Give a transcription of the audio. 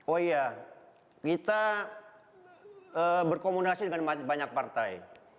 oh iya kita berkomunasi dengan banyak partai